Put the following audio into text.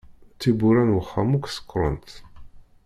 Tiwwura n wexxam akk sekkṛent.